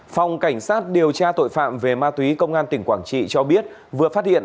phòng cảnh sát điều tra tội phạm về ma túy công an tỉnh quảng trị cho biết vừa phát hiện